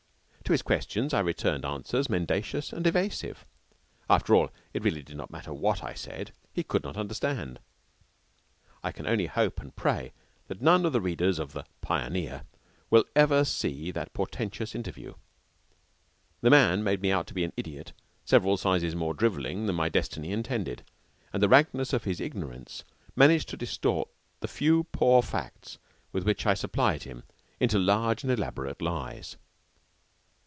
To his questions I returned answers mendacious and evasive. After all, it really did not matter what I said. He could not understand. I can only hope and pray that none of the readers of the "Pioneer" will ever see that portentous interview. The man made me out to be an idiot several sizes more drivelling than my destiny intended, and the rankness of his ignorance managed to distort the few poor facts with which I supplied him into large and elaborate lies.